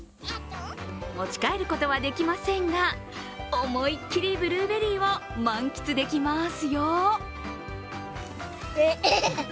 持ち帰ることはできませんが思いっきりブルーベリーを満喫できますよ。